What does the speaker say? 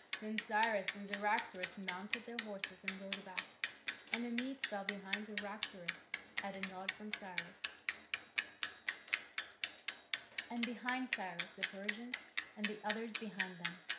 Then Cyrus and Cyaxares mounted their horses and rode back, and the Medes fell in behind Cyaxares, at a nod from Cyrus, and behind Cyrus the Persians, and the others behind them.